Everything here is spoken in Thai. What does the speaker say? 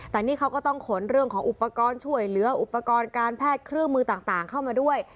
แต่นี่เขาก็ต้องขนเรื่องของอุปกรณ์ช่วยเหลืออุปกรณ์การแพทย์เครื่องมือต่างเข้ามาด้วย